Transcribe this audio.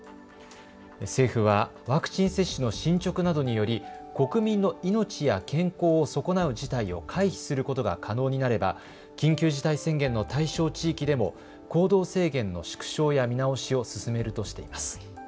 政府はワクチン接種の進捗などにより国民の命や健康を損なう事態を回避することが可能になれば緊急事態宣言の対象地域でも行動制限の縮小や見直しを進めるとしています。